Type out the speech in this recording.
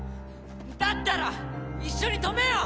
だったら一緒に止めよう！